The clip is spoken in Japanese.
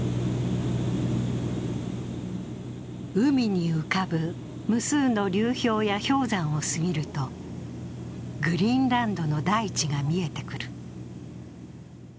海に浮かぶ無数の流氷や氷山を過ぎるとグリーンランドの大地が見えてくる。